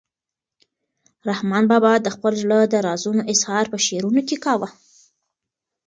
رحمان بابا د خپل زړه د رازونو اظهار په شعرونو کې کاوه.